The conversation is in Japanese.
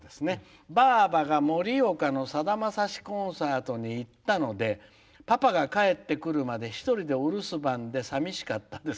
「ばあばが盛岡のさだまさしコンサートに行ったのでパパが帰ってくるまで１人でお留守番で寂しかったです」。